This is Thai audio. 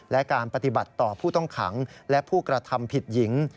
และการปฏิบัติต่อผู้ต้องขังและผู้กระทำผิดหญิง